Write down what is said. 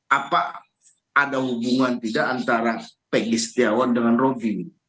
apa ada hubungan tidak antara pegi setiawan dengan rocky